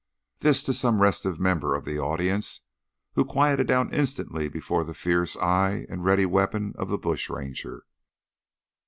This to some restive member of the audience, who quieted down instantly before the fierce eye and the ready weapon of the bushranger.